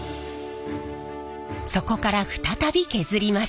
そこから再び削ります。